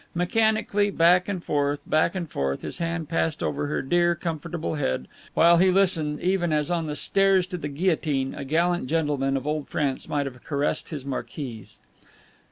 Mechanically, back and forth, back and forth, his hand passed over her dear, comfortable head, while he listened, even as, on the stairs to the guillotine, a gallant gentleman of old France might have caressed his marquise.